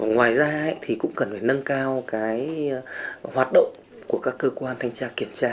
ngoài ra thì cũng cần phải nâng cao hoạt động của các cơ quan thanh tra kiểm tra